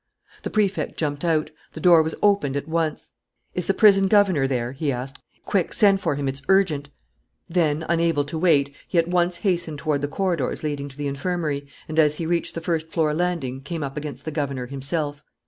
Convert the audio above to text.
The Prefect jumped out. The door was opened at once. "Is the prison governor there?" he asked. "Quick! send for him, it's urgent." Then, unable to wait, he at once hastened toward the corridors leading to the infirmary and, as he reached the first floor landing, came up against the governor himself.